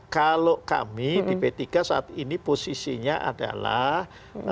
kalau kami di p tiga saat ini posisinya adalah terkait dengan wacana